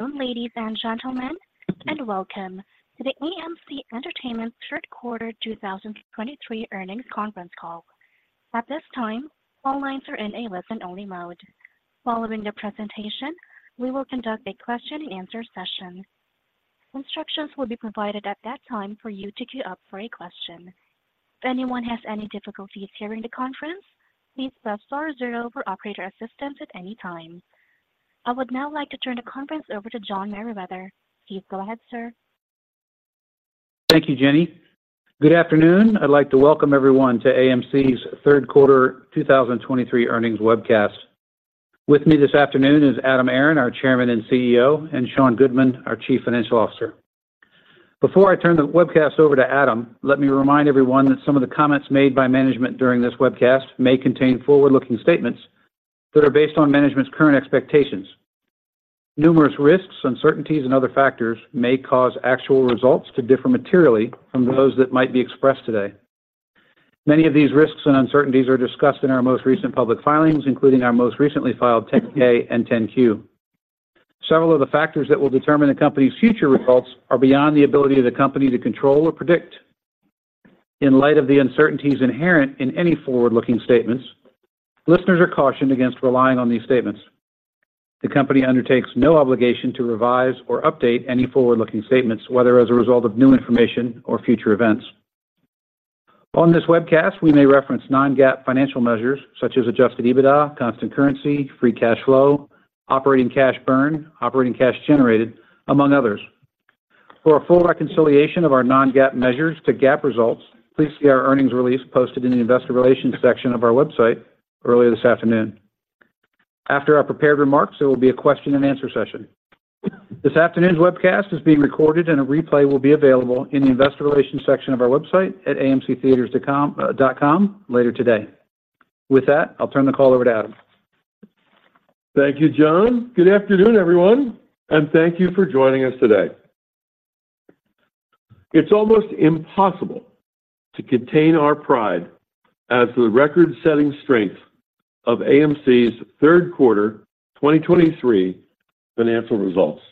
Ladies and gentlemen, and welcome to the AMC Entertainment third quarter 2023 earnings conference call. At this time, all lines are in a listen-only mode. Following the presentation, we will conduct a question-and-answer session. Instructions will be provided at that time for you to queue up for a question. If anyone has any difficulties hearing the conference, please press star zero for operator assistance at any time. I would now like to turn the conference over to John Merriwether. Please go ahead, sir. Thank you, Jenny. Good afternoon. I'd like to welcome everyone to AMC's third quarter 2023 earnings webcast. With me this afternoon is Adam Aron, our Chairman and CEO, and Sean Goodman, our Chief Financial Officer. Before I turn the webcast over to Adam, let me remind everyone that some of the comments made by management during this webcast may contain forward-looking statements that are based on management's current expectations. Numerous risks, uncertainties, and other factors may cause actual results to differ materially from those that might be expressed today. Many of these risks and uncertainties are discussed in our most recent public filings, including our most recently filed 10-K and 10-Q. Several of the factors that will determine the company's future results are beyond the ability of the company to control or predict. In light of the uncertainties inherent in any forward-looking statements, listeners are cautioned against relying on these statements. The company undertakes no obligation to revise or update any forward-looking statements, whether as a result of new information or future events. On this webcast, we may reference non-GAAP financial measures such as adjusted EBITDA, constant currency, free cash flow, operating cash burn, operating cash generated, among others. For a full reconciliation of our non-GAAP measures to GAAP results, please see our earnings release posted in the investor relations section of our website earlier this afternoon. After our prepared remarks, there will be a question-and-answer session. This afternoon's webcast is being recorded, and a replay will be available in the investor relations section of our website at amctheatres.com, dot com later today. With that, I'll turn the call over to Adam. Thank you, John. Good afternoon, everyone, and thank you for joining us today. It's almost impossible to contain our pride as the record-setting strength of AMC's third quarter 2023 financial results.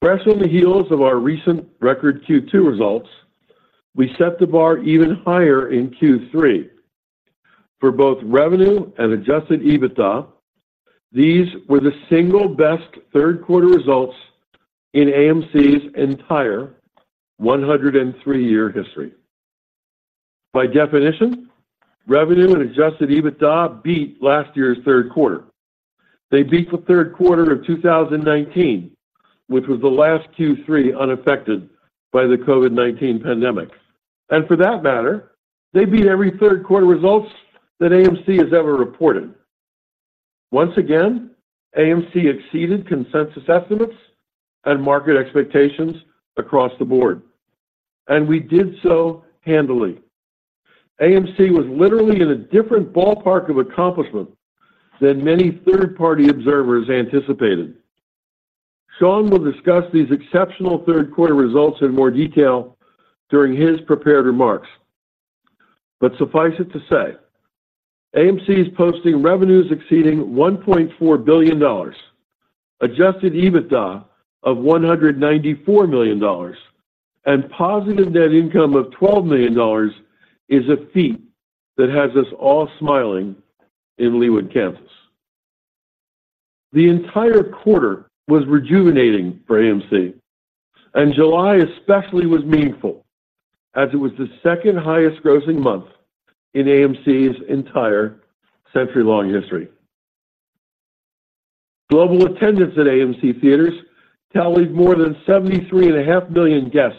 Fresh on the heels of our recent record Q2 results, we set the bar even higher in Q3. For both revenue and adjusted EBITDA, these were the single best third quarter results in AMC's entire 103-year history. By definition, revenue and adjusted EBITDA beat last year's third quarter. They beat the third quarter of 2019, which was the last Q3 unaffected by the COVID-19 pandemic. And for that matter, they beat every third quarter results that AMC has ever reported. Once again, AMC exceeded consensus estimates and market expectations across the board, and we did so handily. AMC was literally in a different ballpark of accomplishment than many third-party observers anticipated. Sean will discuss these exceptional third quarter results in more detail during his prepared remarks. But suffice it to say, AMC is posting revenues exceeding $1.4 billion, adjusted EBITDA of $194 million, and positive net income of $12 million is a feat that has us all smiling in Leawood, Kansas. The entire quarter was rejuvenating for AMC, and July especially was meaningful, as it was the second highest grossing month in AMC's entire century-long history. Global attendance at AMC Theatres tallied more than 73.5 million guests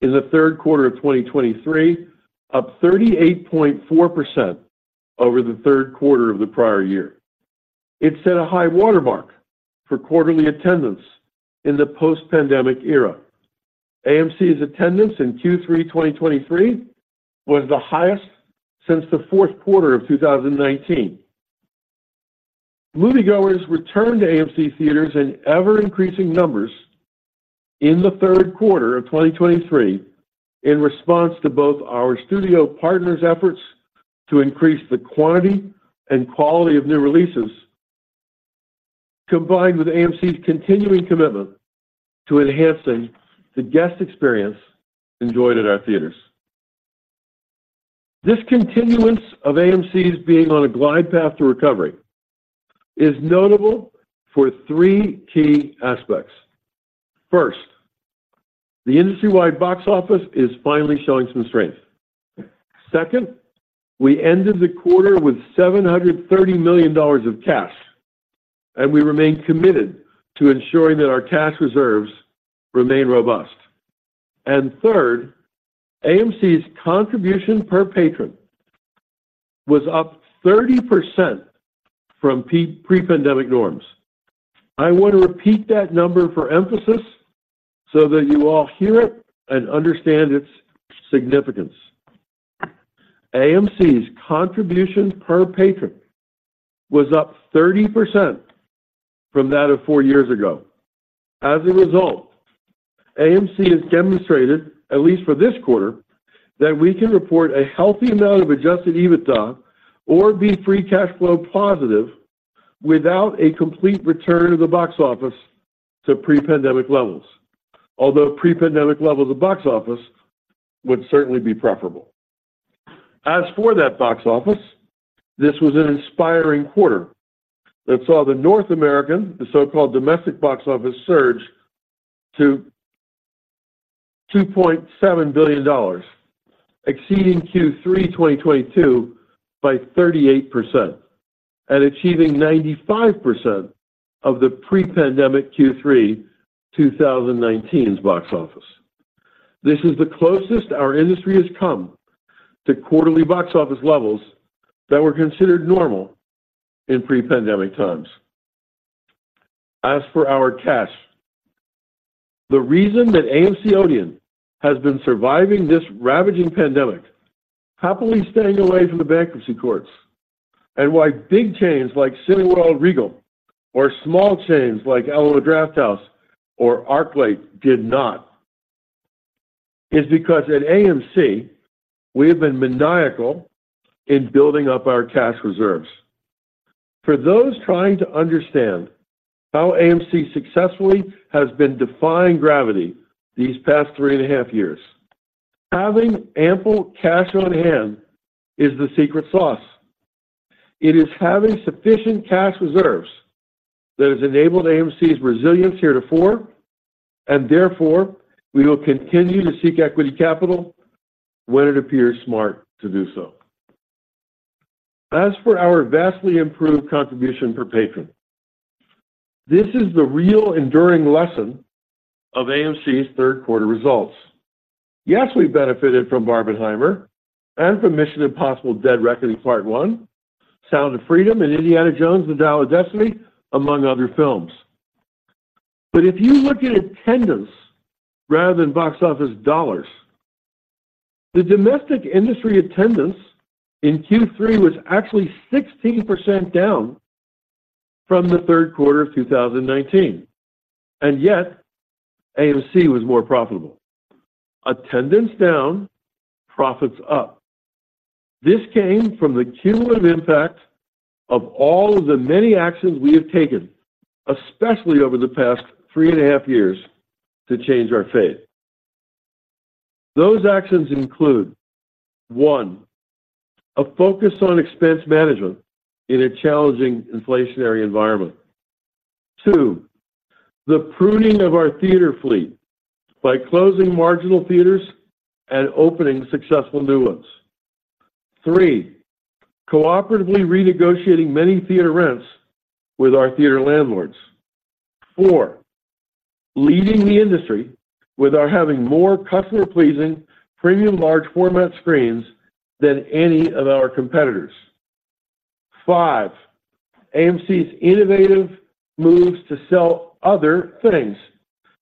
in the third quarter of 2023, up 38.4% over the third quarter of the prior year. It set a high water mark for quarterly attendance in the post-pandemic era. AMC's attendance in Q3 2023 was the highest since the fourth quarter of 2019. Moviegoers returned to AMC theaters in ever-increasing numbers in the third quarter of 2023, in response to both our studio partners' efforts to increase the quantity and quality of new releases, combined with AMC's continuing commitment to enhancing the guest experience enjoyed at our theaters. This continuance of AMC's being on a glide path to recovery is notable for three key aspects. First, the industry-wide box office is finally showing some strength. Second, we ended the quarter with $730 million of cash, and we remain committed to ensuring that our cash reserves remain robust. And third, AMC's contribution per patron was up 30% from pre-pandemic norms. I want to repeat that number for emphasis so that you all hear it and understand its significance. AMC's contribution per patron was up 30% from that of 4 years ago. As a result- AMC has demonstrated, at least for this quarter, that we can report a healthy amount of adjusted EBITDA or be free cash flow positive without a complete return of the box office to pre-pandemic levels. Although pre-pandemic levels of box office would certainly be preferable. As for that box office, this was an inspiring quarter that saw the North American, the so-called domestic box office, surge to $2.7 billion, exceeding Q3 2022 by 38% and achieving 95% of the pre-pandemic Q3 2019's box office. This is the closest our industry has come to quarterly box office levels that were considered normal in pre-pandemic times. As for our cash, the reason that AMC and Odeon has been surviving this ravaging pandemic, happily staying away from the bankruptcy courts, and why big chains like Cineworld and Regal or small chains like Alamo Drafthouse or ArcLight did not, is because at AMC, we have been maniacal in building up our cash reserves. For those trying to understand how AMC successfully has been defying gravity these past three and a half years, having ample cash on hand is the secret sauce. It is having sufficient cash reserves that has enabled AMC's resilience heretofore, and therefore, we will continue to seek equity capital when it appears smart to do so. As for our vastly improved contribution per patron, this is the real enduring lesson of AMC's third quarter results. Yes, we benefited from Barbenheimer and from Mission Impossible: Dead Reckoning Part One, Sound of Freedom and Indiana Jones and the Dial of Destiny, among other films. But if you look at attendance rather than box office dollars, the domestic industry attendance in Q3 was actually 16% down from the third quarter of 2019, and yet AMC was more profitable. Attendance down, profits up. This came from the cumulative impact of all of the many actions we have taken, especially over the past three and a half years, to change our fate. Those actions include: one, a focus on expense management in a challenging inflationary environment. Two, the pruning of our theater fleet by closing marginal theaters and opening successful new ones. Three, cooperatively renegotiating many theater rents with our theater landlords. Four, leading the industry with our having more customer-pleasing, premium large format screens than any of our competitors. Five, AMC's innovative moves to sell other things.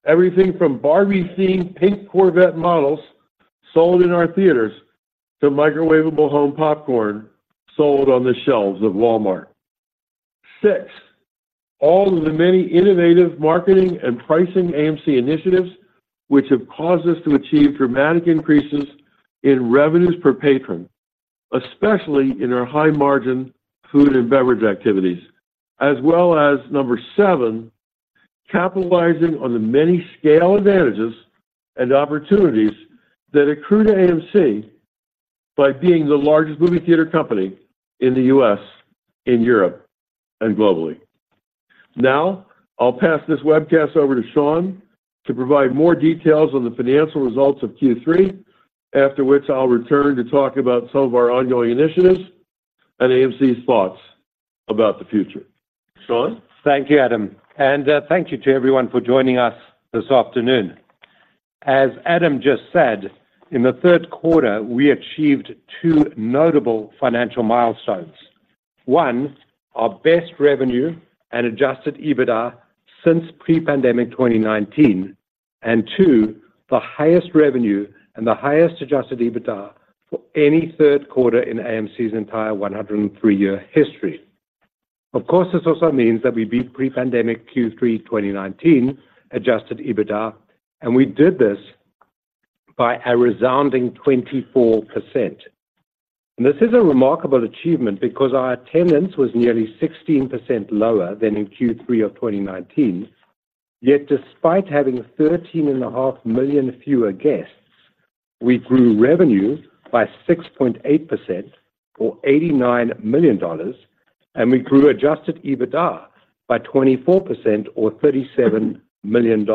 Everything from Barbie-themed pink Corvette models sold in our theaters to microwavable home popcorn sold on the shelves of Walmart. Six, all of the many innovative marketing and pricing AMC initiatives, which have caused us to achieve dramatic increases in revenues per patron, especially in our high-margin food and beverage activities, as well as, seven, capitalizing on the many scale advantages and opportunities that accrue to AMC by being the largest movie theater company in the U.S., in Europe, and globally. Now, I'll pass this webcast over to Sean to provide more details on the financial results of Q3, after which I'll return to talk about some of our ongoing initiatives and AMC's thoughts about the future. Sean? Thank you, Adam, and, thank you to everyone for joining us this afternoon. As Adam just said, in the third quarter, we achieved two notable financial milestones. One, our best revenue and adjusted EBITDA since pre-pandemic 2019, and two, the highest revenue and the highest adjusted EBITDA for any third quarter in AMC's entire 103-year history. Of course, this also means that we beat pre-pandemic Q3 2019 adjusted EBITDA, and we did this by a resounding 24%. And this is a remarkable achievement because our attendance was nearly 16% lower than in Q3 of 2019. Yet, despite having 13.5 million fewer guests, we grew revenue by 6.8%, or $89 million, and we grew adjusted EBITDA by 24% or $37 million.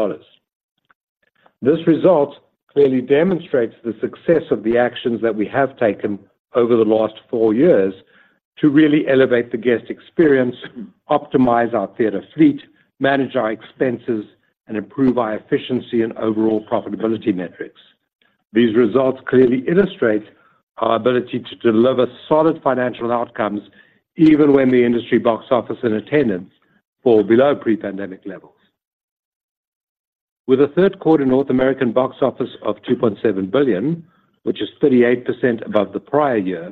This result clearly demonstrates the success of the actions that we have taken over the last four years to really elevate the guest experience, optimize our theater fleet, manage our expenses, and improve our efficiency and overall profitability metrics. These results clearly illustrate our ability to deliver solid financial outcomes, even when the industry box office and attendance fall below pre-pandemic levels. With a third quarter North American box office of $2.7 billion, which is 38% above the prior year.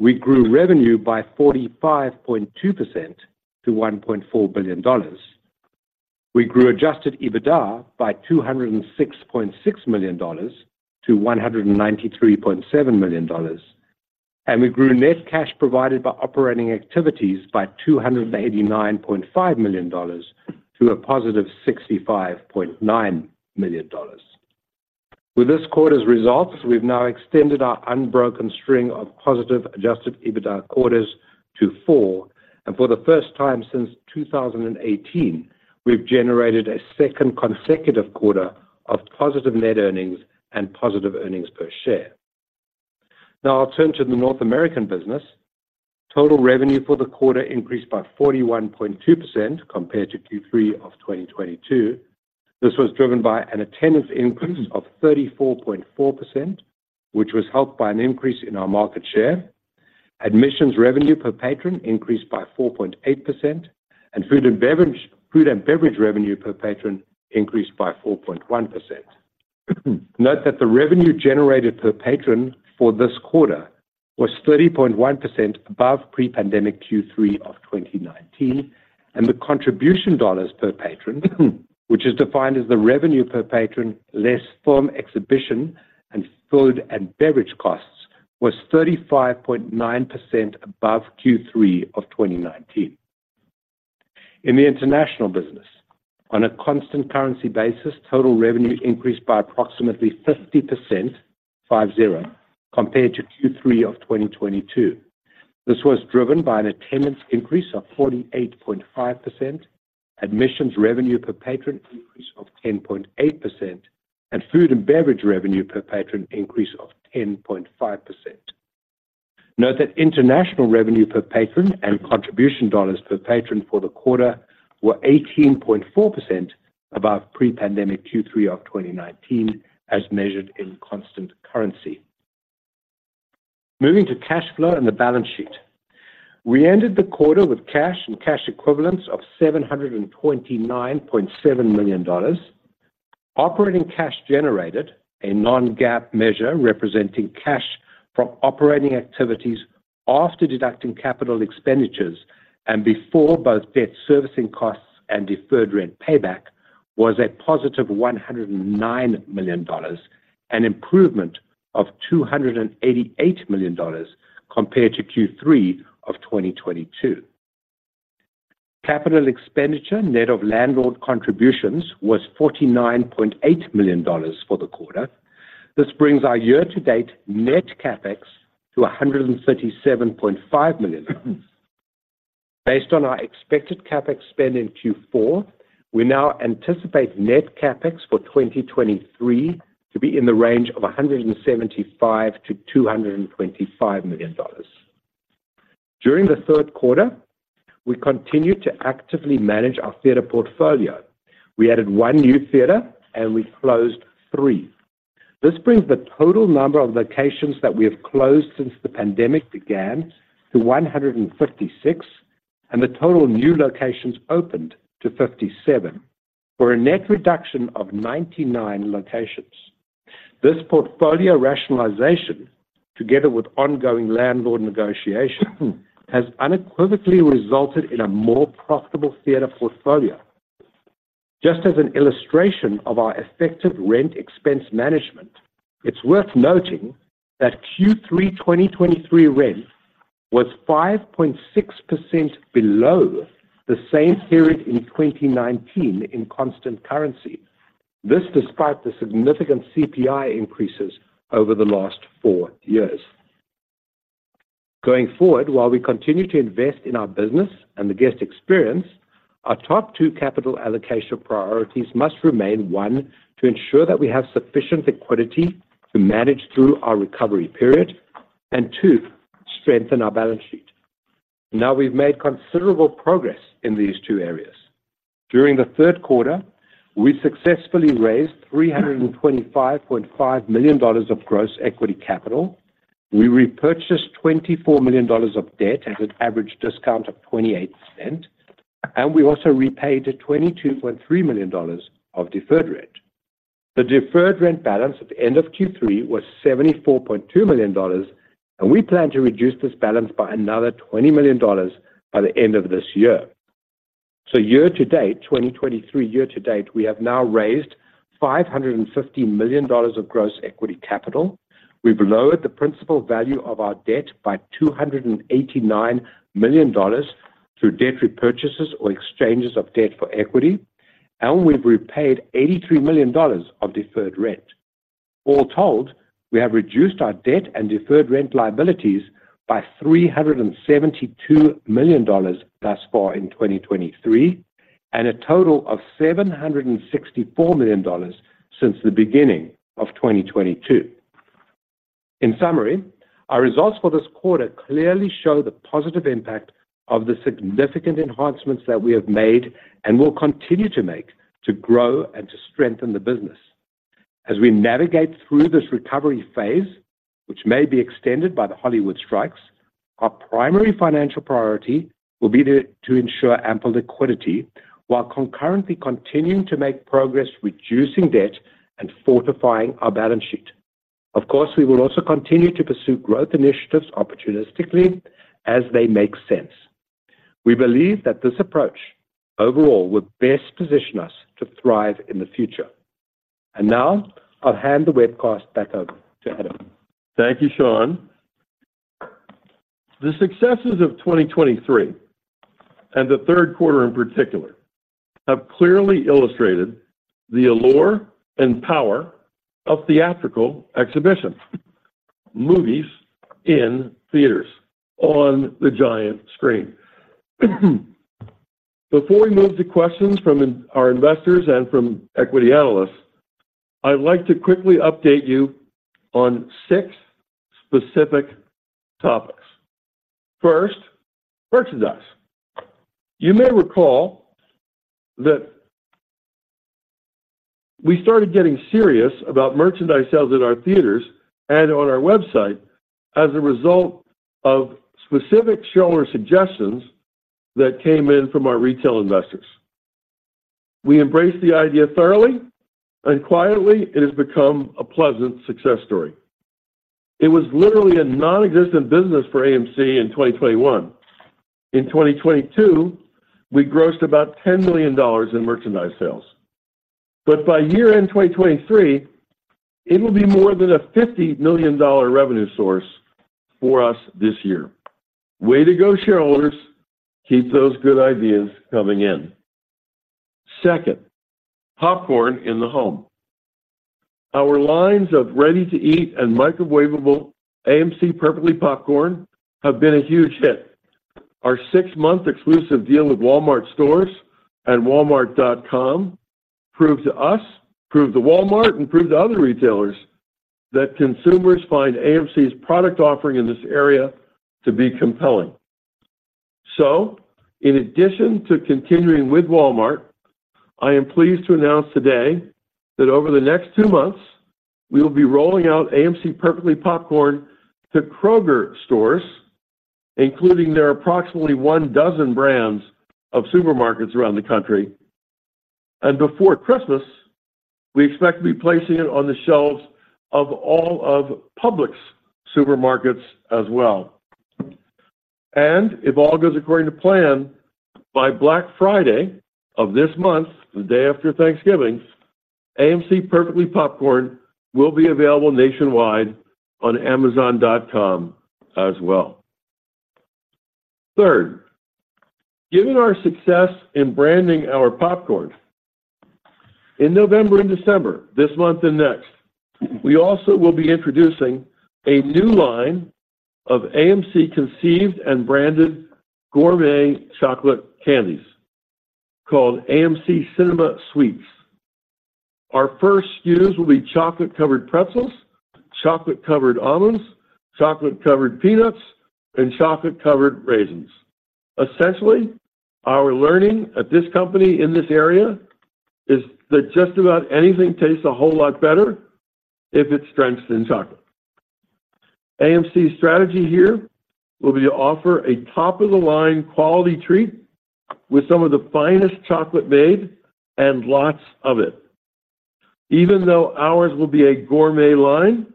We grew revenue by 45.2% to $1.4 billion. We grew adjusted EBITDA by $206.6 million to $193.7 million, and we grew net cash provided by operating activities by $289.5 million to +$65.9 million. With this quarter's results, we've now extended our unbroken string of positive adjusted EBITDA quarters to four, and for the first time since 2018, we've generated a second consecutive quarter of positive net earnings and positive earnings per share. Now I'll turn to the North American business. Total revenue for the quarter increased by 41.2% compared to Q3 of 2022. This was driven by an attendance increase of 34.4%, which was helped by an increase in our market share. Admissions revenue per patron increased by 4.8%, and food and beverage - food and beverage revenue per patron increased by 4.1%. Note that the revenue generated per patron for this quarter was 30.1% above pre-pandemic Q3 of 2019, and the contribution dollars per patron, which is defined as the revenue per patron, less film exhibition and food and beverage costs, was 35.9% above Q3 of 2019. In the international business, on a constant currency basis, total revenue increased by approximately 50%, 50, compared to Q3 of 2022. This was driven by an attendance increase of 48.5%, admissions revenue per patron increase of 10.8%, and food and beverage revenue per patron increase of 10.5%. Note that international revenue per patron and contribution dollars per patron for the quarter were 18.4% above pre-pandemic Q3 of 2019, as measured in constant currency. Moving to cash flow and the balance sheet. We ended the quarter with cash and cash equivalents of $729.7 million. Operating cash generated, a non-GAAP measure representing cash from operating activities after deducting capital expenditures and before both debt servicing costs and deferred rent payback, was a positive $109 million, an improvement of $288 million compared to Q3 of 2022. Capital expenditure, net of landlord contributions, was $49.8 million for the quarter. This brings our year-to-date net CapEx to $137.5 million. Based on our expected CapEx spend in Q4, we now anticipate net CapEx for 2023 to be in the range of $175 million to $225 million. During the third quarter, we continued to actively manage our theater portfolio. We added one new theater and we closed three. This brings the total number of locations that we have closed since the pandemic began to 156, and the total new locations opened to 57, for a net reduction of 99 locations. This portfolio rationalization, together with ongoing landlord negotiation, has unequivocally resulted in a more profitable theater portfolio. Just as an illustration of our effective rent expense management, it's worth noting that Q3 2023 rent was 5.6% below the same period in 2019 in constant currency. This, despite the significant CPI increases over the last four years. Going forward, while we continue to invest in our business and the guest experience, our top two capital allocation priorities must remain: one, to ensure that we have sufficient liquidity to manage through our recovery period, and two, strengthen our balance sheet. Now, we've made considerable progress in these two areas. During the third quarter, we successfully raised $325.5 million of gross equity capital. We repurchased $24 million of debt at an average discount of $0.28, and we also repaid $22.3 million of deferred rent. The deferred rent balance at the end of Q3 was $74.2 million, and we plan to reduce this balance by another $20 million by the end of this year. So year to date, 2023 year to date, we have now raised $550 million of gross equity capital. We've lowered the principal value of our debt by $289 million through debt repurchases or exchanges of debt for equity, and we've repaid $83 million of deferred rent. All told, we have reduced our debt and deferred rent liabilities by $372 million thus far in 2023, and a total of $764 million since the beginning of 2022. In summary, our results for this quarter clearly show the positive impact of the significant enhancements that we have made and will continue to make to grow and to strengthen the business. As we navigate through this recovery phase, which may be extended by the Hollywood strikes, our primary financial priority will be to ensure ample liquidity while concurrently continuing to make progress, reducing debt, and fortifying our balance sheet. Of course, we will also continue to pursue growth initiatives opportunistically as they make sense. We believe that this approach overall will best position us to thrive in the future. And now I'll hand the webcast back over to Adam. Thank you, Sean. The successes of 2023, and the third quarter in particular, have clearly illustrated the allure and power of theatrical exhibition, movies in theaters on the giant screen. Before we move to questions from our investors and from equity analysts, I'd like to quickly update you on six specific topics. First, merchandise. You may recall that we started getting serious about merchandise sales at our theaters and on our website as a result of specific shareholder suggestions that came in from our retail investors. We embraced the idea thoroughly and quietly, it has become a pleasant success story. It was literally a nonexistent business for AMC in 2021. In 2022, we grossed about $10 million in merchandise sales. But by year-end 2023, it will be more than a $50 million revenue source for us this year. Way to go, shareholders. Keep those good ideas coming in. Second, popcorn in the home. Our lines of ready-to-eat and microwavable AMC Perfectly Popcorn have been a huge hit. Our six-month exclusive deal with Walmart stores and Walmart.com proved to us, proved to Walmart, and proved to other retailers that consumers find AMC's product offering in this area to be compelling. So in addition to continuing with Walmart, I am pleased to announce today that over the next two months, we will be rolling out AMC Perfectly Popcorn to Kroger stores, including their approximately 12 brands of supermarkets around the country. Before Christmas, we expect to be placing it on the shelves of all of Publix supermarkets as well. If all goes according to plan, by Black Friday of this month, the day after Thanksgiving, AMC Perfectly Popcorn will be available nationwide on Amazon.com as well. Third, given our success in branding our popcorn, in November and December, this month and next, we also will be introducing a new line of AMC-conceived and branded gourmet chocolate candies called AMC Cinema Sweets. Our first SKUs will be chocolate-covered pretzels, chocolate-covered almonds, chocolate-covered peanuts, and chocolate-covered raisins. Essentially, our learning at this company in this area is that just about anything tastes a whole lot better if it's drenched in chocolate. AMC's strategy here will be to offer a top-of-the-line quality treat with some of the finest chocolate made and lots of it. Even though ours will be a gourmet line,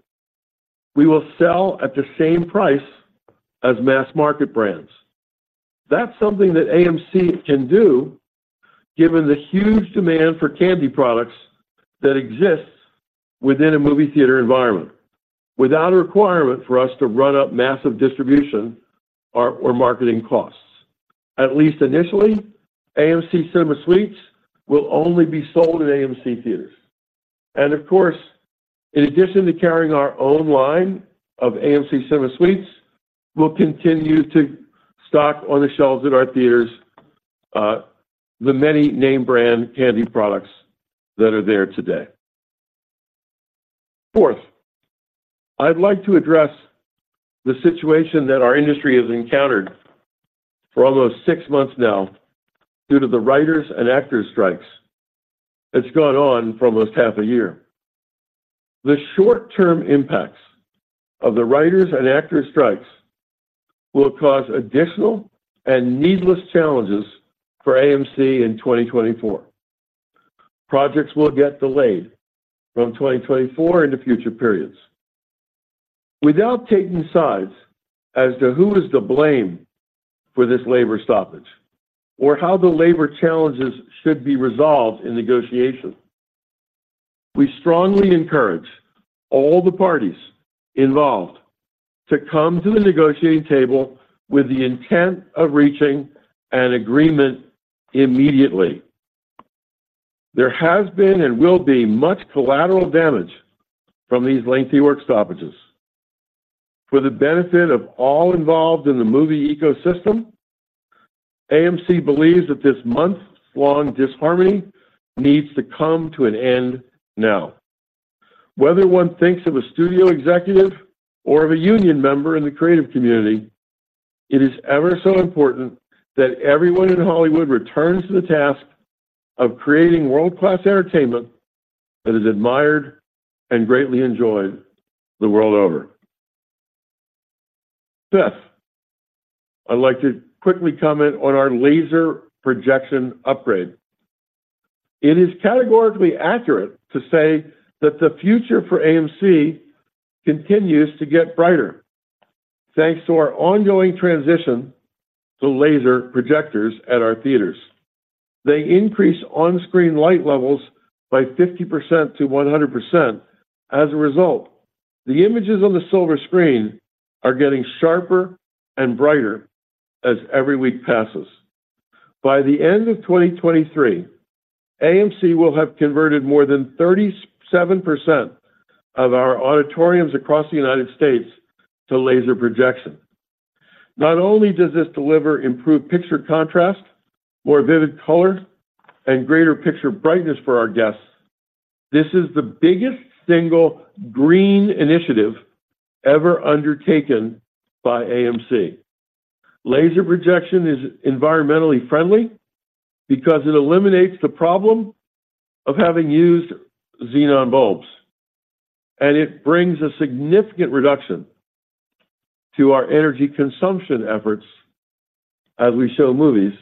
we will sell at the same price as mass-market brands. That's something that AMC can do, given the huge demand for candy products that exists within a movie theater environment, without a requirement for us to run up massive distribution or marketing costs. At least initially, AMC Cinema Sweets will only be sold in AMC theaters. And of course, in addition to carrying our own line of AMC Cinema Sweets, we'll continue to stock on the shelves at our theaters, the many name-brand candy products that are there today. Fourth, I'd like to address the situation that our industry has encountered for almost six months now due to the writers and actors strikes that's gone on for almost half a year. The short-term impacts of the writers and actors strikes will cause additional and needless challenges for AMC in 2024. Projects will get delayed from 2024 into future periods. Without taking sides as to who is to blame for this labor stoppage or how the labor challenges should be resolved in negotiation, we strongly encourage all the parties involved to come to the negotiating table with the intent of reaching an agreement immediately. There has been and will be much collateral damage from these lengthy work stoppages. For the benefit of all involved in the movie ecosystem, AMC believes that this months-long disharmony needs to come to an end now. Whether one thinks of a studio executive or of a union member in the creative community, it is ever so important that everyone in Hollywood returns to the task of creating world-class entertainment that is admired and greatly enjoyed the world over. Fifth, I'd like to quickly comment on our laser projection upgrade. It is categorically accurate to say that the future for AMC continues to get brighter, thanks to our ongoing transition to laser projectors at our theaters. They increase on-screen light levels by 50%-100%. As a result, the images on the silver screen are getting sharper and brighter as every week passes. By the end of 2023, AMC will have converted more than 37% of our auditoriums across the United States to laser projection. Not only does this deliver improved picture contrast, more vivid color, and greater picture brightness for our guests, this is the biggest single green initiative ever undertaken by AMC. Laser projection is environmentally friendly because it eliminates the problem of having used xenon bulbs, and it brings a significant reduction to our energy consumption efforts as we show movies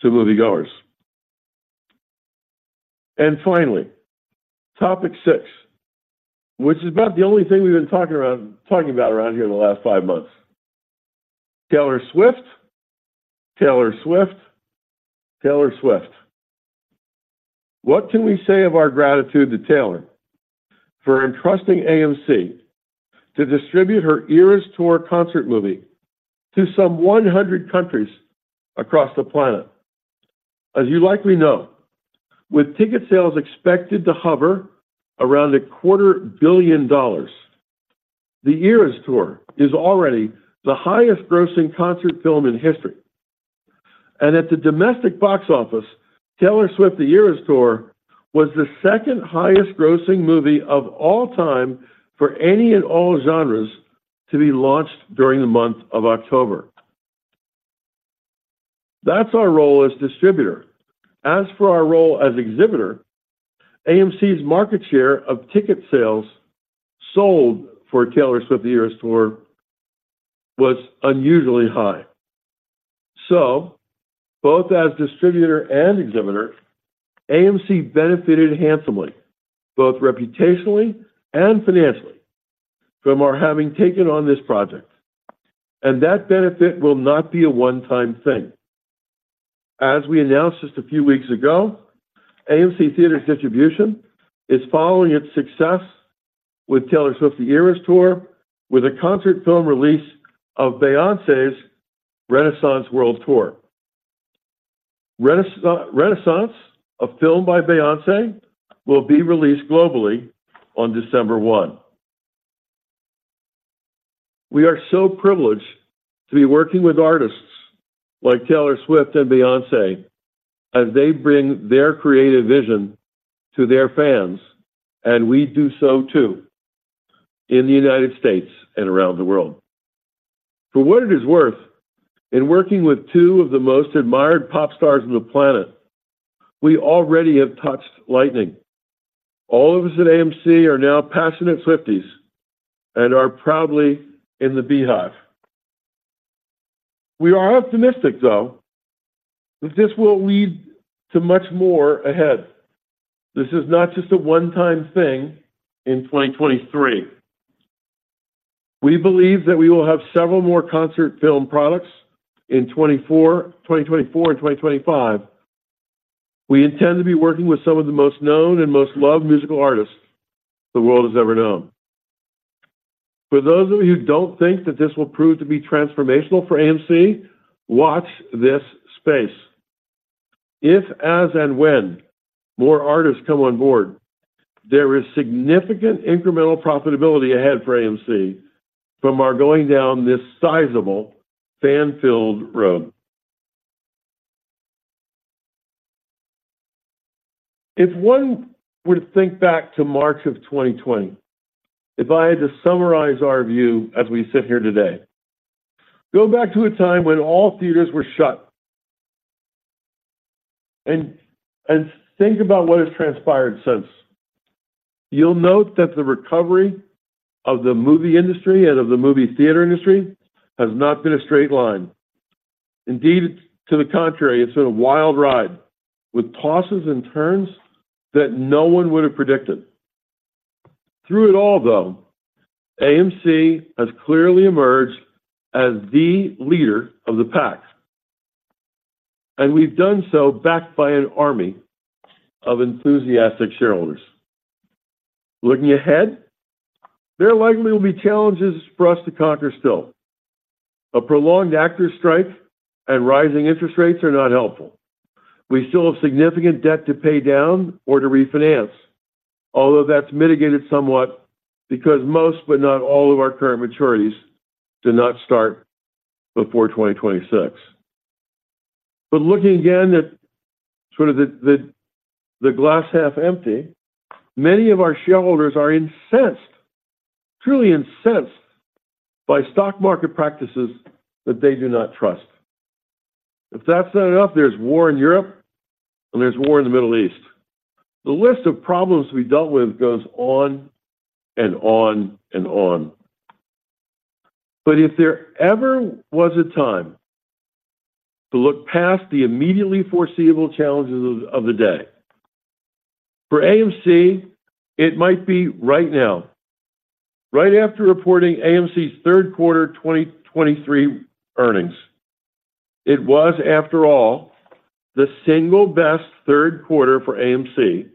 to moviegoers. And finally, topic six, which is about the only thing we've been talking about around here in the last five months: Taylor Swift, Taylor Swift, Taylor Swift. What can we say of our gratitude to Taylor for entrusting AMC to distribute her Eras Tour concert movie to some 100 countries across the planet? As you likely know, with ticket sales expected to hover around $250 million, the Eras Tour is already the highest-grossing concert film in history. And at the domestic box office, Taylor Swift: The Eras Tour was the second highest-grossing movie of all time for any and all genres to be launched during the month of October. That's our role as distributor. As for our role as exhibitor, AMC's market share of ticket sales sold for Taylor Swift: The Eras Tour was unusually high. So both as distributor and exhibitor, AMC benefited handsomely, both reputationally and financially, from our having taken on this project, and that benefit will not be a one-time thing. As we announced just a few weeks ago, AMC Theatre Distribution is following its success with Taylor Swift: The Eras Tour, with a concert film release of Beyoncé's Renaissance World Tour. Renaissance: A Film by Beyoncé will be released globally on December 1. We are so privileged to be working with artists like Taylor Swift and Beyoncé as they bring their creative vision to their fans, and we do so too, in the United States and around the world. For what it is worth, in working with two of the most admired pop stars on the planet, we already have touched lightning. All of us at AMC are now passionate Swifties and are proudly in the BeyHive. We are optimistic, though, that this will lead to much more ahead. This is not just a one-time thing in 2023. We believe that we will have several more concert film products in 2024, 2024 and 2025. We intend to be working with some of the most known and most loved musical artists the world has ever known. For those of you who don't think that this will prove to be transformational for AMC, watch this space. If, as and when more artists come on board, there is significant incremental profitability ahead for AMC from our going down this sizable fan-filled road. If one were to think back to March of 2020, if I had to summarize our view as we sit here today, go back to a time when all theaters were shut and think about what has transpired since. You'll note that the recovery of the movie industry and of the movie theater industry has not been a straight line. Indeed, to the contrary, it's been a wild ride with tosses and turns that no one would have predicted. Through it all, though, AMC has clearly emerged as the leader of the pack, and we've done so backed by an army of enthusiastic shareholders. Looking ahead, there likely will be challenges for us to conquer still. A prolonged actor strike and rising interest rates are not helpful. We still have significant debt to pay down or to refinance, although that's mitigated somewhat because most, but not all of our current maturities do not start before 2026. But looking again at sort of the glass half empty, many of our shareholders are incensed, truly incensed by stock market practices that they do not trust. If that's not enough, there's war in Europe and there's war in the Middle East. The list of problems we dealt with goes on and on and on. But if there ever was a time to look past the immediately foreseeable challenges of the day, for AMC, it might be right now, right after reporting AMC's third quarter 2023 earnings. It was, after all, the single best third quarter for AMC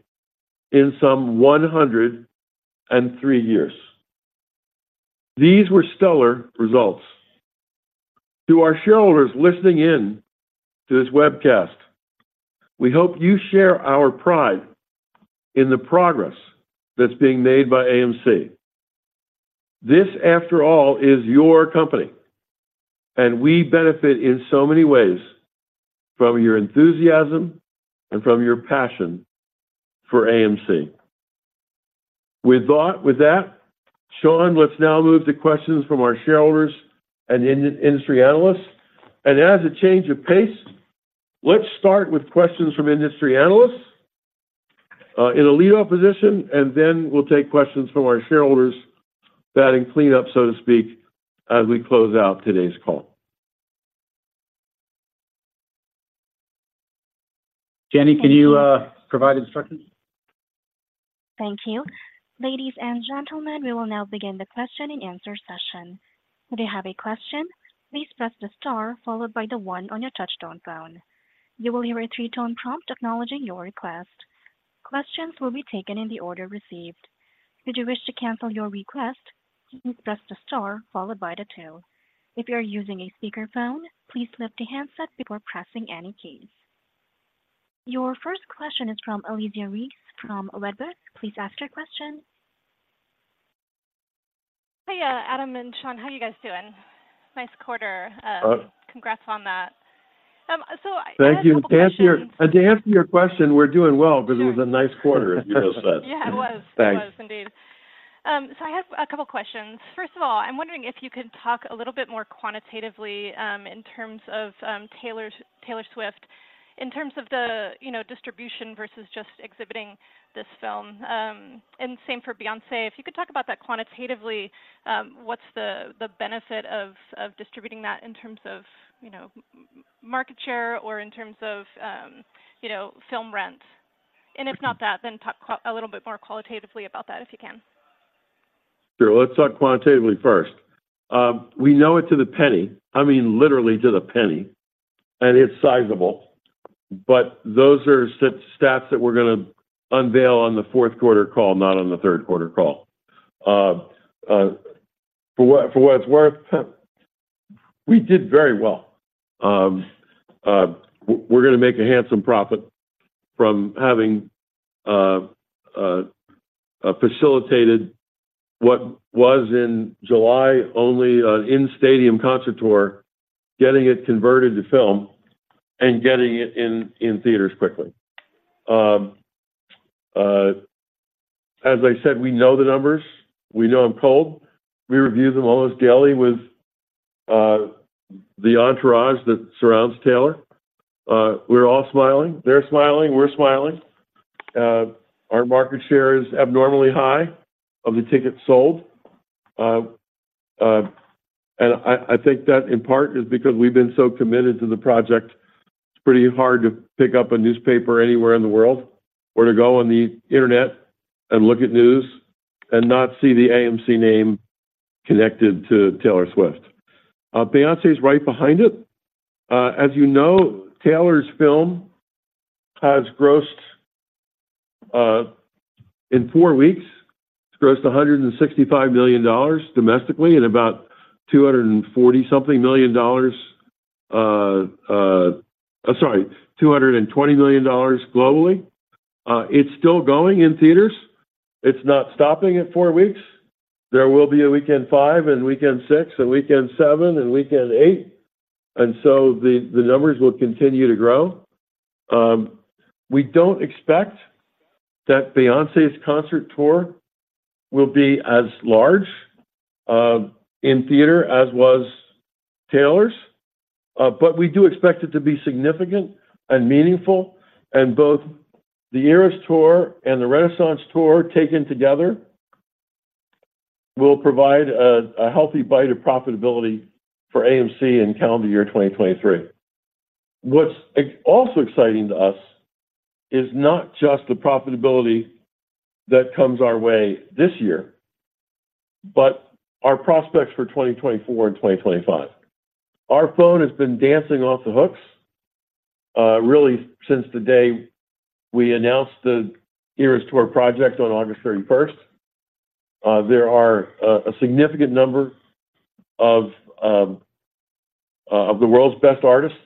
in some 103 years. These were stellar results. To our shareholders listening in to this webcast, we hope you share our pride in the progress that's being made by AMC. This, after all, is your company, and we benefit in so many ways from your enthusiasm and from your passion for AMC. With that, Sean, let's now move to questions from our shareholders and industry analysts. As a change of pace, let's start with questions from industry analysts in a lead-off position, and then we'll take questions from our shareholders, batting cleanup, so to speak, as we close out today's call. Jenny, can you provide instructions? Thank you. Ladies and gentlemen, we will now begin the question and answer session. If you have a question, please press the star followed by the one on your touchtone phone. You will hear a three-tone prompt acknowledging your request. Questions will be taken in the order received. If you wish to cancel your request, please press the star followed by the two. If you are using a speakerphone, please lift the handset before pressing any keys. Your first question is from Alicia Reese from Wedbush. Please ask your question. Hey, Adam and Sean. How are you guys doing? Nice quarter. Congrats on that. So I have a couple questions- Thank you. And to answer your question, we're doing well because it was a nice quarter, as you well said. Yeah, it was. Thanks. It was, indeed. So I have a couple questions. First of all, I'm wondering if you could talk a little bit more quantitatively, in terms of, Taylor Swift, in terms of the, you know, distribution versus just exhibiting this film. And same for Beyoncé. If you could talk about that quantitatively, what's the, the benefit of, of distributing that in terms of, you know, market share or in terms of, you know, film rent? And if not that, then talk a little bit more qualitatively about that, if you can. Sure. Let's talk quantitatively first. We know it to the penny, I mean, literally to the penny, and it's sizable. But those are stats that we're gonna unveil on the fourth quarter call, not on the third quarter call. For what it's worth, we did very well. We're gonna make a handsome profit from having facilitated what was in July only an in-stadium concert tour, getting it converted to film and getting it in theaters quickly. As I said, we know the numbers. We know them cold. We review them almost daily with the entourage that surrounds Taylor. We're all smiling. They're smiling, we're smiling. Our market share is abnormally high of the tickets sold. I think that in part is because we've been so committed to the project. It's pretty hard to pick up a newspaper anywhere in the world or to go on the internet and look at news and not see the AMC name connected to Taylor Swift. Beyoncé is right behind it. As you know, Taylor's film has grossed, in four weeks, grossed $165 million domestically and about $220 million globally. It's still going in theaters. It's not stopping at four weeks. There will be a weekend five and weekend six, a weekend seven and weekend eight, and so the numbers will continue to grow. We don't expect that Beyoncé's concert tour will be as large in theater as was Taylor's, but we do expect it to be significant and meaningful, and both the Eras Tour and the Renaissance Tour, taken together, will provide a healthy bite of profitability for AMC in calendar year 2023. What's also exciting to us is not just the profitability that comes our way this year, but our prospects for 2024 and 2025. Our phone has been dancing off the hooks, really since the day we announced the Eras Tour project on August 31. There are a significant number of the world's best artists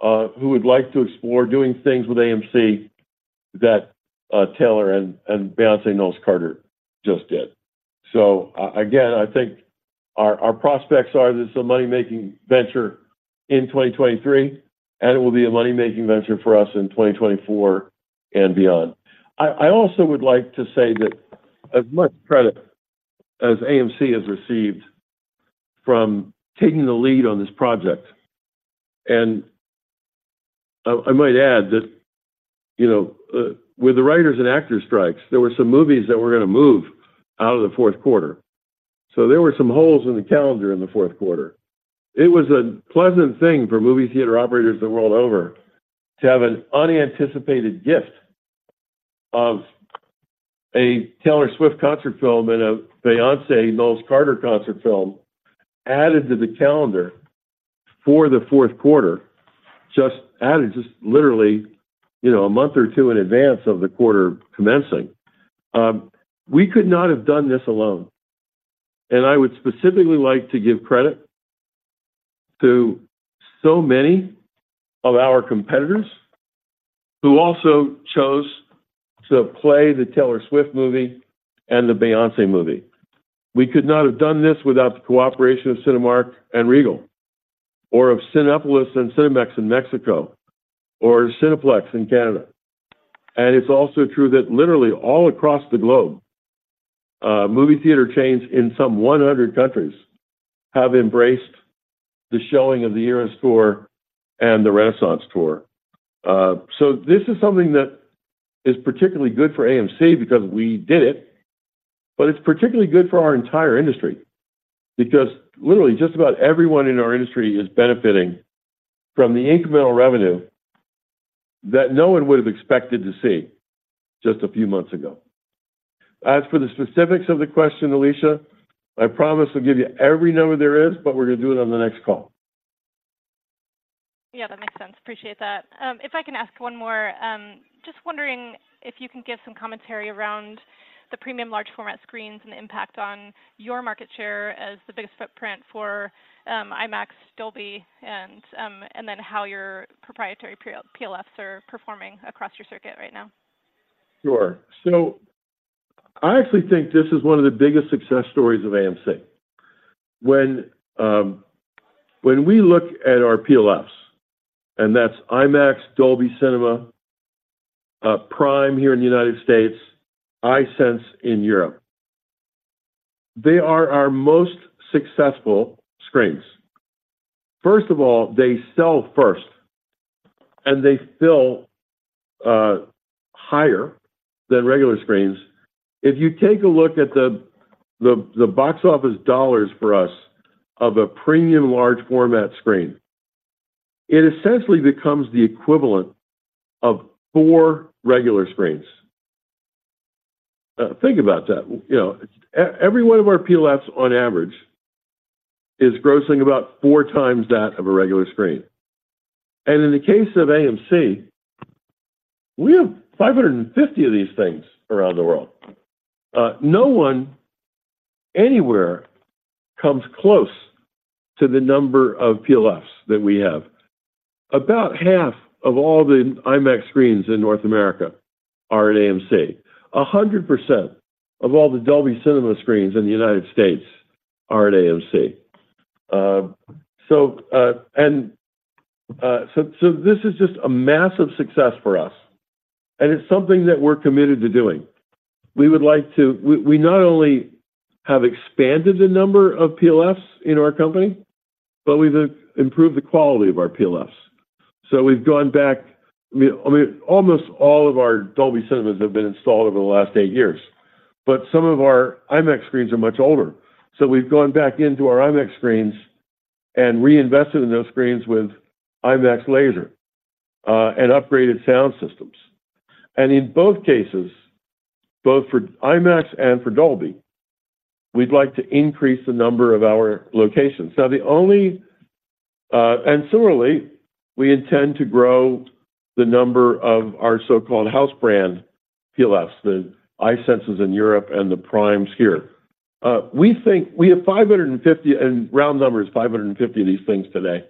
who would like to explore doing things with AMC that Taylor and Beyoncé Knowles-Carter just did. So again, I think our prospects are this is a money-making venture in 2023, and it will be a money-making venture for us in 2024 and beyond. I also would like to say that as much credit as AMC has received from taking the lead on this project and I might add that, you know, with the writers and actors strikes, there were some movies that were gonna move out of the fourth quarter. So there were some holes in the calendar in the fourth quarter. It was a pleasant thing for movie theater operators the world over, to have an unanticipated gift of a Taylor Swift concert film and a Beyoncé Knowles-Carter concert film added to the calendar for the fourth quarter, just added just literally, you know, a month or two in advance of the quarter commencing. We could not have done this alone, and I would specifically like to give credit to so many of our competitors who also chose to play the Taylor Swift movie and the Beyoncé movie. We could not have done this without the cooperation of Cinemark and Regal, or of Cinépolis and Cinemex in Mexico, or Cineplex in Canada. It's also true that literally all across the globe, movie theater chains in some 100 countries have embraced the showing of the Eras Tour and the Renaissance Tour. So this is something that is particularly good for AMC because we did it, but it's particularly good for our entire industry. Because literally, just about everyone in our industry is benefiting from the incremental revenue that no one would have expected to see just a few months ago. As for the specifics of the question, Alicia, I promise we'll give you every number there is, but we're gonna do it on the next call. Yeah, that makes sense. Appreciate that. If I can ask one more, just wondering if you can give some commentary around the premium large format screens and the impact on your market share as the biggest footprint for IMAX, Dolby, and, and then how your proprietary PLFs are performing across your circuit right now. Sure. So I actually think this is one of the biggest success stories of AMC. When we look at our PLFs, and that's IMAX, Dolby Cinema, Prime here in the United States, iSense in Europe, they are our most successful screens. First of all, they sell first, and they fill higher than regular screens. If you take a look at the box office dollars for us of a premium large format screen, it essentially becomes the equivalent of 4 regular screens. Think about that. You know, every one of our PLFs on average is grossing about 4 times that of a regular screen. And in the case of AMC, we have 550 of these things around the world. No one anywhere comes close to the number of PLFs that we have. About half of all the IMAX screens in North America are at AMC. 100% of all the Dolby Cinema screens in the United States are at AMC. This is just a massive success for us, and it's something that we're committed to doing. We would like to. We not only have expanded the number of PLFs in our company, but we've improved the quality of our PLFs. So we've gone back. I mean, I mean, almost all of our Dolby Cinemas have been installed over the last eight years, but some of our IMAX screens are much older. So we've gone back into our IMAX screens and reinvested in those screens with IMAX laser and upgraded sound systems. In both cases, both for IMAX and for Dolby, we'd like to increase the number of our locations. And similarly, we intend to grow the number of our so-called house brand PLFs, the iSenses in Europe and the Primes here. We think we have 550, and round numbers, 550 of these things today.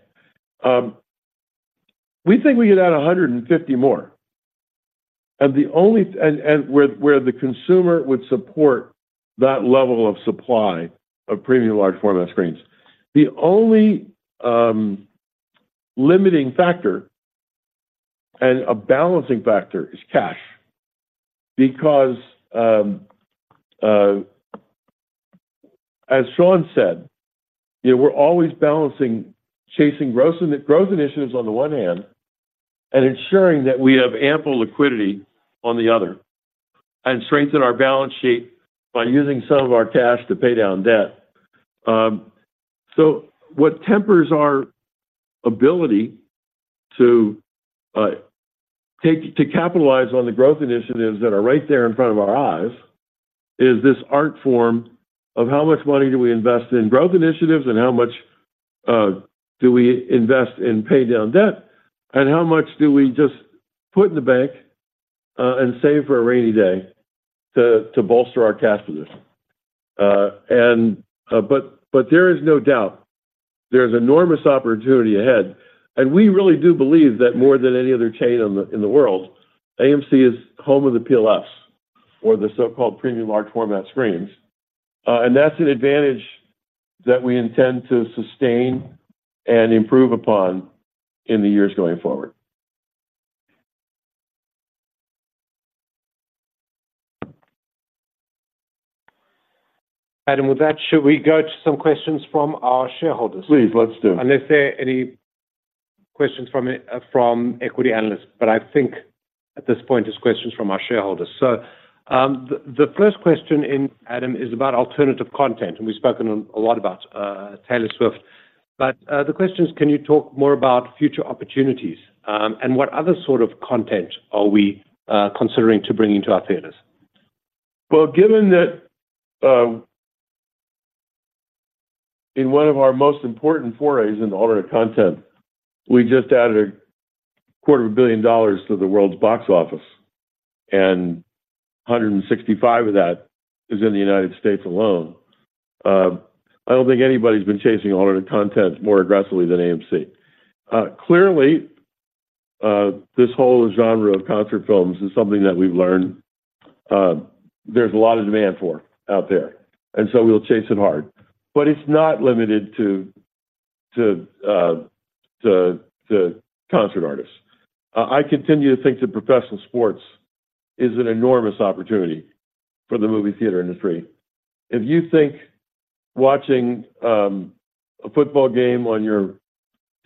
We think we can add 150 more, only where the consumer would support that level of supply of premium large format screens. The only limiting factor and a balancing factor is cash. Because, as Sean said, you know, we're always balancing, chasing growth initiatives on the one hand, and ensuring that we have ample liquidity on the other, and strengthen our balance sheet by using some of our cash to pay down debt. So what tempers our ability to take to capitalize on the growth initiatives that are right there in front of our eyes is this art form of how much money do we invest in growth initiatives, and how much do we invest in paying down debt, and how much do we just put in the bank and save for a rainy day to bolster our cash position? And there is no doubt, there is enormous opportunity ahead, and we really do believe that more than any other chain in the world, AMC is home of the PLFs, or the so-called premium large format screens. And that's an advantage that we intend to sustain and improve upon in the years going forward. Adam, with that, should we go to some questions from our shareholders? Please, let's do. Unless there are any questions from equity analysts, but I think at this point, it's questions from our shareholders. So, the first question in, Adam, is about alternative content, and we've spoken a lot about Taylor Swift. But, the question is, can you talk more about future opportunities, and what other sort of content are we considering to bring into our theaters? Well, given that, in one of our most important forays in alternate content, we just added $250 million to the world's box office, and $165 million of that is in the United States alone. I don't think anybody's been chasing alternate content more aggressively than AMC. Clearly, this whole genre of concert films is something that we've learned, there's a lot of demand for out there, and so we'll chase it hard. But it's not limited to concert artists. I continue to think that professional sports is an enormous opportunity for the movie theater industry. If you think watching a football game on your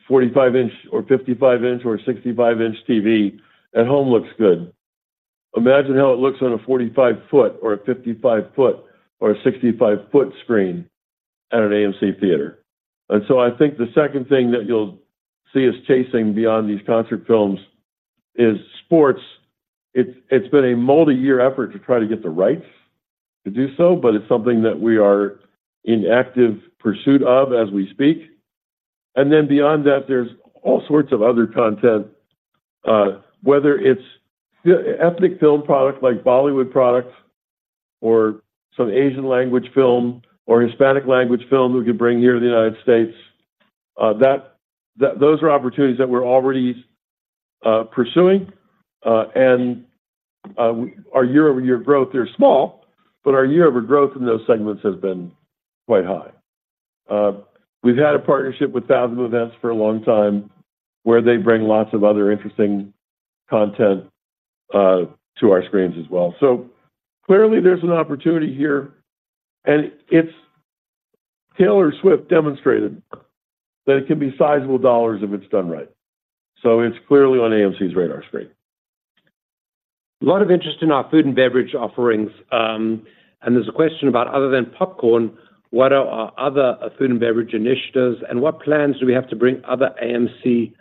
45-inch or 55-inch or 65-inch TV at home looks good, imagine how it looks on a 45-foot or a 55-foot or a 65-foot screen at an AMC theater. And so I think the second thing that you'll see us chasing beyond these concert films is sports. It's, it's been a multi-year effort to try to get the rights to do so, but it's something that we are in active pursuit of as we speak. And then beyond that, there's all sorts of other content, whether it's the ethnic film product, like Bollywood products, or some Asian language film, or Hispanic language film we could bring here to the United States. Those are opportunities that we're already pursuing. And, our year-over-year growth are small, but our year-over growth in those segments has been quite high. We've had a partnership with Fathom Events for a long time, where they bring lots of other interesting content to our screens as well. So clearly, there's an opportunity here, and it's. Taylor Swift demonstrated that it can be sizable dollars if it's done right. So it's clearly on AMC's radar screen. A lot of interest in our food and beverage offerings, and there's a question about, other than popcorn, what are our other food and beverage initiatives, and what plans do we have to bring other AMC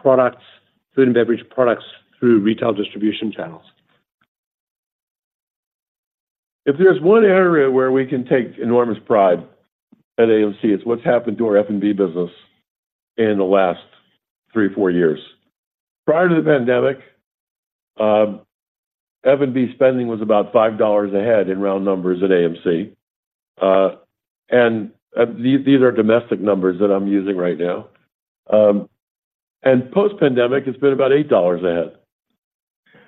products, food and beverage products, through retail distribution channels? If there's one area where we can take enormous pride at AMC, it's what's happened to our F&B business in the last 3, 4 years. Prior to the pandemic, F&B spending was about $5 a head in round numbers at AMC. These are domestic numbers that I'm using right now. Post-pandemic, it's been about $8 a head.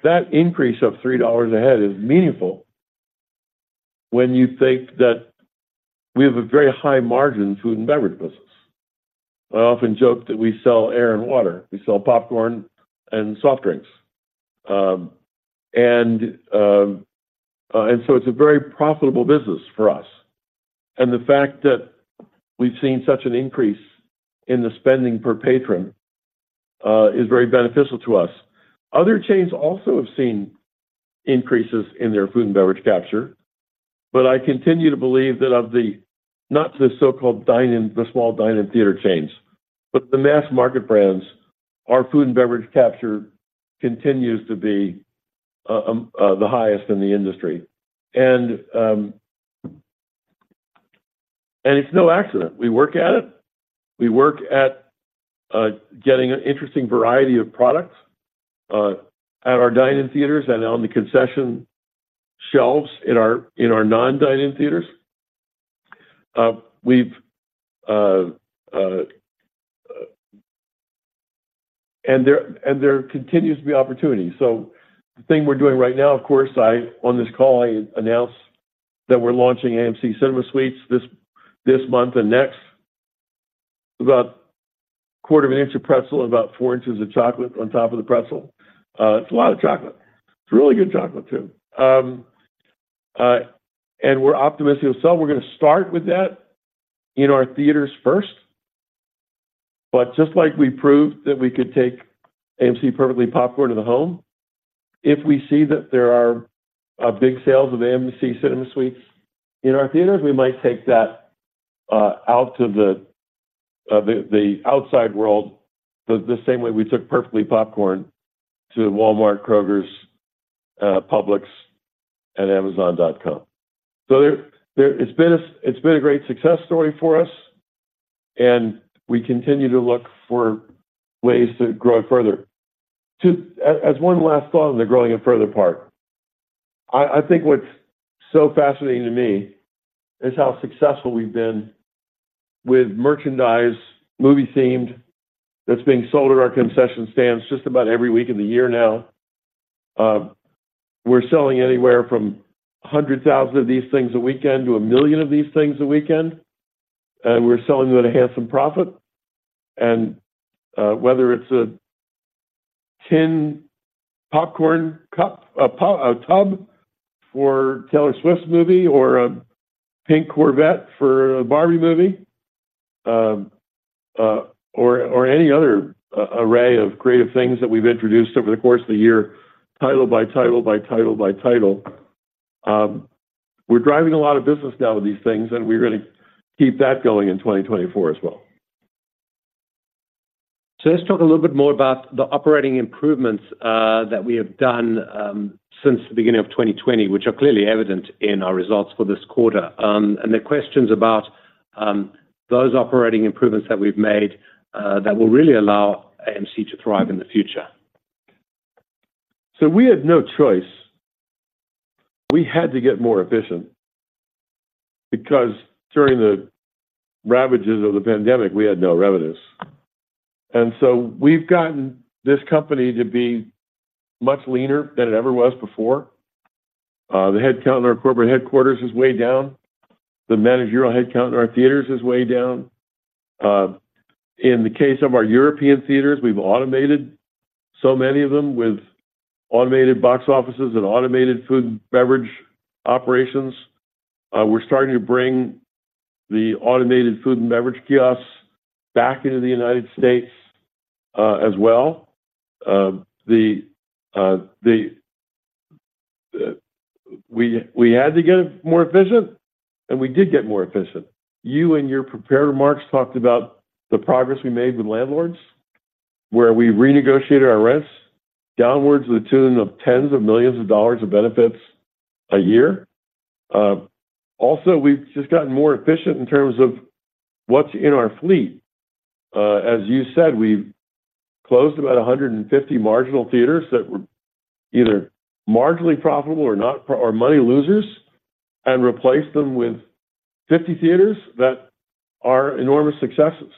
That increase of $3 a head is meaningful when you think that we have a very high margin food and beverage business. I often joke that we sell air and water. We sell popcorn and soft drinks. It's a very profitable business for us, and the fact that we've seen such an increase in the spending per patron is very beneficial to us. Other chains also have seen increases in their food and beverage capture, but I continue to believe that of the, not the so-called dine-in, the small dine-in theater chains, but the mass market brands, our food and beverage capture continues to be the highest in the industry. And it's no accident. We work at it. We work at getting an interesting variety of products at our dine-in theaters and on the concession shelves in our non-dine-in theaters. We've. And there continues to be opportunity. So the thing we're doing right now, of course, on this call, I announced that we're launching AMC Cinema Sweets this month and next. About a quarter of an inch of pretzel and about four inches of chocolate on top of the pretzel. It's a lot of chocolate. It's really good chocolate, too. And we're optimistic. So we're gonna start with that in our theaters first, but just like we proved that we could take AMC Perfectly Popcorn to the home, if we see that there are big sales of AMC Cinema Sweets in our theaters, we might take that out to the outside world, the same way we took Perfectly Popcorn to Walmart, Kroger, Publix and Amazon.com. So there it's been a great success story for us, and we continue to look for ways to grow it further. As one last thought on the growing it further part, I think what's so fascinating to me is how successful we've been with merchandise, movie-themed, that's being sold at our concession stands just about every week of the year now. We're selling anywhere from 100,000 of these things a weekend to 1,000,000 of these things a weekend, and we're selling them at a handsome profit. Whether it's a tin popcorn cup, a tub for Taylor Swift's movie, or a pink Corvette for a Barbie movie, or any other array of creative things that we've introduced over the course of the year, title by title, by title, by title. We're driving a lot of business now with these things, and we really keep that going in 2024 as well. So let's talk a little bit more about the operating improvements that we have done since the beginning of 2020, which are clearly evident in our results for this quarter. And the questions about those operating improvements that we've made that will really allow AMC to thrive in the future. So we had no choice. We had to get more efficient because during the ravages of the pandemic, we had no revenues. And so we've gotten this company to be much leaner than it ever was before. The headcount in our corporate headquarters is way down. The managerial headcount in our theaters is way down. In the case of our European theaters, we've automated so many of them with automated box offices and automated food and beverage operations. We're starting to bring the automated food and beverage kiosks back into the United States, as well. We had to get more efficient, and we did get more efficient. You, in your prepared remarks, talked about the progress we made with landlords, where we renegotiated our rents downwards to the tune of tens of millions of dollars of benefits a year. Also, we've just gotten more efficient in terms of what's in our fleet. As you said, we've closed about 150 marginal theaters that were either marginally profitable or not profitable or money losers, and replaced them with 50 theaters that are enormous successes.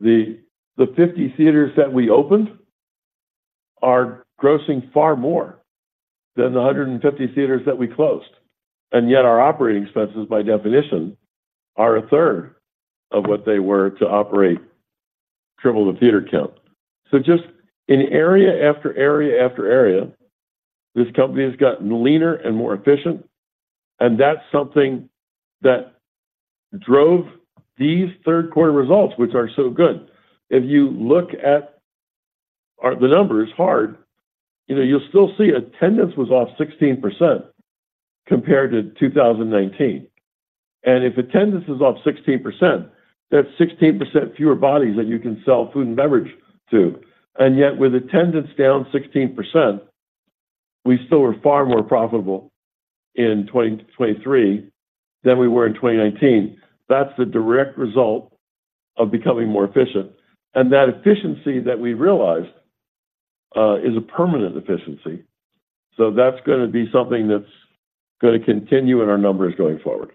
The 50 theaters that we opened are grossing far more than the 150 theaters that we closed, and yet our operating expenses, by definition, are a third of what they were to operate triple the theater count. So just in area after area after area, this company has gotten leaner and more efficient, and that's something that drove these third-quarter results, which are so good. If you look at the numbers hard, you know, you'll still see attendance was off 16% compared to 2019. If attendance is off 16%, that's 16% fewer bodies that you can sell food and beverage to. And yet, with attendance down 16%, we still are far more profitable in 2023 than we were in 2019. That's the direct result of becoming more efficient, and that efficiency that we realized is a permanent efficiency. So that's gonna be something that's gonna continue in our numbers going forward.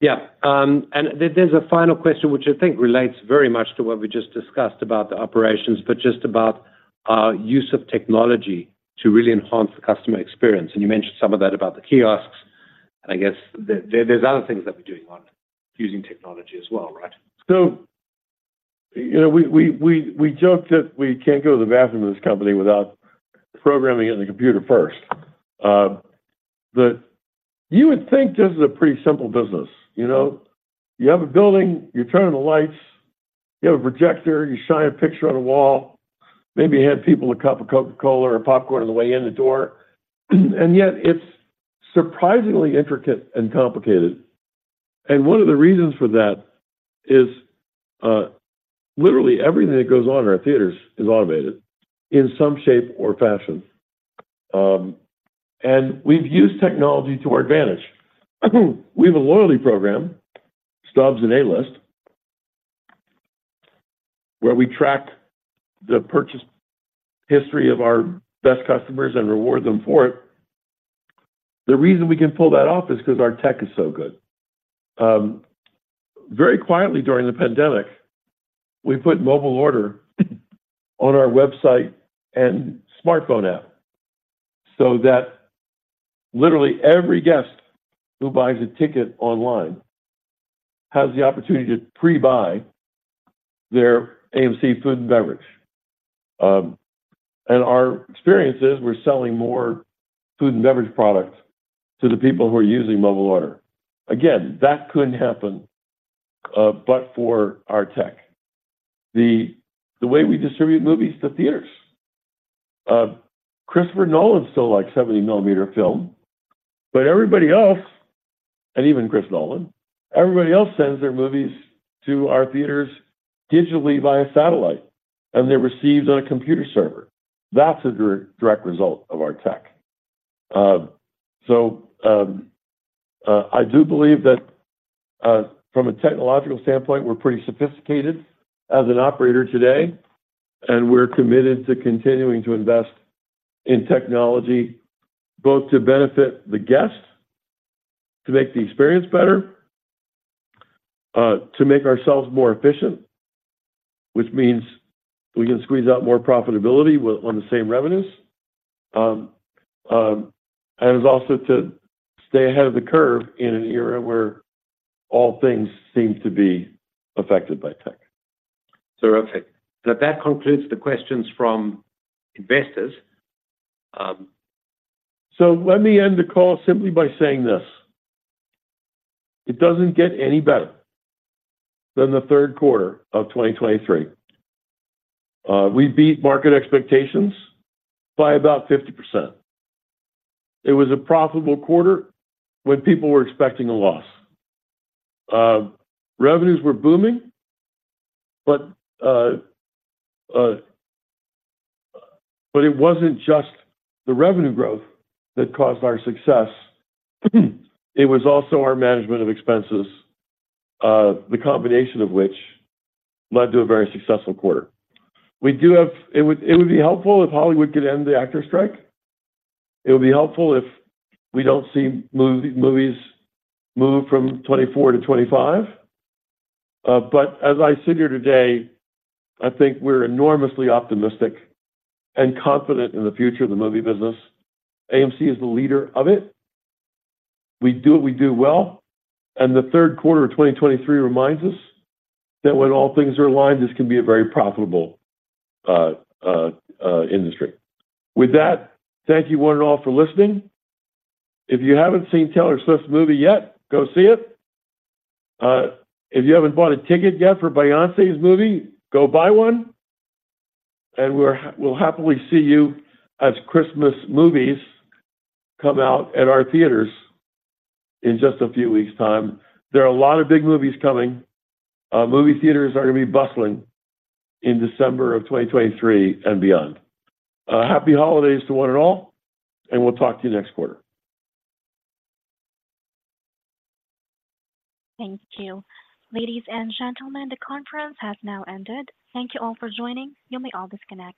Yeah, and there's a final question, which I think relates very much to what we just discussed about the operations, but just about use of technology to really enhance the customer experience. And you mentioned some of that about the kiosks, and I guess there's other things that we're doing on using technology as well, right? So, you know, we joke that we can't go to the bathroom in this company without programming it in the computer first. But you would think this is a pretty simple business, you know. You have a building, you turn on the lights, you have a projector, you shine a picture on a wall, maybe hand people a cup of Coca-Cola or popcorn on the way in the door, and yet it's surprisingly intricate and complicated. One of the reasons for that is literally everything that goes on in our theaters is automated in some shape or fashion. And we've used technology to our advantage. We have a loyalty program, Stubs and A-List, where we track the purchase history of our best customers and reward them for it. The reason we can pull that off is because our tech is so good. Very quietly, during the pandemic, we put mobile order on our website and smartphone app, so that literally every guest who buys a ticket online has the opportunity to pre-buy their AMC food and beverage. And our experience is we're selling more food and beverage products to the people who are using mobile order. Again, that couldn't happen, but for our tech. The way we distribute movies to theaters, Christopher Nolan still likes 70-millimeter film, but everybody else, and even Chris Nolan, everybody else sends their movies to our theaters digitally via satellite, and they're received on a computer server. That's a direct result of our tech. So, I do believe that, from a technological standpoint, we're pretty sophisticated as an operator today, and we're committed to continuing to invest in technology, both to benefit the guests, to make the experience better, to make ourselves more efficient, which means we can squeeze out more profitability on the same revenues. And it was also to stay ahead of the curve in an era where all things seem to be affected by tech. Terrific. So that concludes the questions from investors. So let me end the call simply by saying this: it doesn't get any better than the third quarter of 2023. We beat market expectations by about 50%. It was a profitable quarter when people were expecting a loss. Revenues were booming, but, but it wasn't just the revenue growth that caused our success, it was also our management of expenses, the combination of which led to a very successful quarter. It would, it would be helpful if Hollywood could end the actor strike. It would be helpful if we don't see movies move from 2024 to 2025. But as I sit here today, I think we're enormously optimistic and confident in the future of the movie business. AMC is the leader of it. We do what we do well, and the third quarter of 2023 reminds us that when all things are aligned, this can be a very profitable industry. With that, thank you one and all for listening. If you haven't seen Taylor Swift's movie yet, go see it. If you haven't bought a ticket yet for Beyoncé's movie, go buy one, and we're—we'll happily see you as Christmas movies come out at our theaters in just a few weeks' time. There are a lot of big movies coming. Movie theaters are gonna be bustling in December of 2023 and beyond. Happy holidays to one and all, and we'll talk to you next quarter. Thank you. Ladies and gentlemen, the conference has now ended. Thank you all for joining. You may all disconnect.